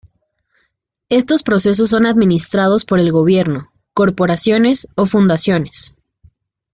Estos procesos son administradas por el gobierno, corporaciones o fundaciones.